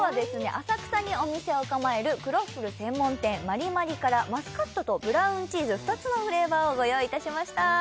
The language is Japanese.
浅草にお店を構えるクロッフル専門店ｍａｒｉｍａｒｉからマスカットとブラウンチーズ２つのフレーバーをご用意いたしました